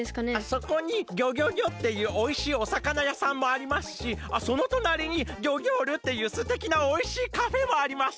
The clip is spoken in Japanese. そこに「ギョギョギョ」っていうおいしいおさかなやさんもありますしそのとなりに「ギョギョール」っていうすてきなおいしいカフェもあります。